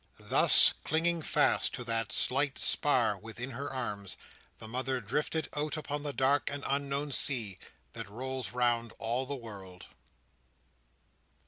Thus, clinging fast to that slight spar within her arms, the mother drifted out upon the dark and unknown sea that rolls round all the world.